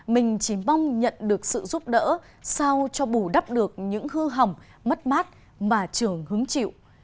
mình chỉ mong nhận được sự giúp đỡ sao cho bù đắp được những hư hỏng mất mát mà trường hứng chịu